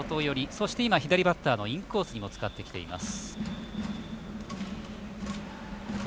そして、左バッターのインコースに使ってきています。